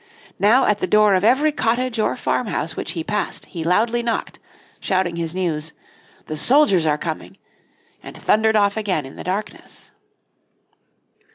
Now at the door of every cottage or farmhouse which he passed he loudly knocked, shouting his news "the soldiers are coming," and thundered off again in the darkness.